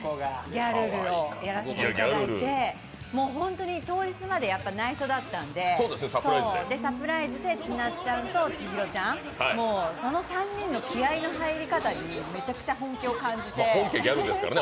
ギャルルをやらせていただいて、当日まで内緒だったんで、サプライズでちなっちゃんと千尋ちゃん、その３人の気合いの入り方に本家ギャルですからね。